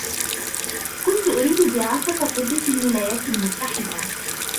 كنت أريد دراسة الطب في الولايات المتحدة.